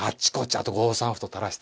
あと５三歩と垂らして。